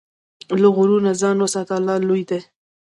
له غرور نه ځان وساته، الله لوی دی.